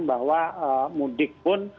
bahwa mudik pun